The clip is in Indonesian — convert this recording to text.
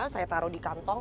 saya taruh di kantong